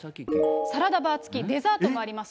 サラダバーつき、デザートもあります。